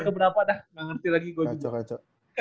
keberapa dah nggak ngerti lagi kacau kacau